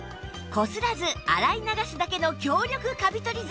こすらず洗い流すだけの強力カビ取り